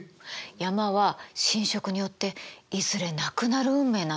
山は侵食によっていずれなくなる運命なの。